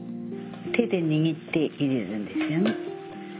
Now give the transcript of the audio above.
手で握って入れるんですよね。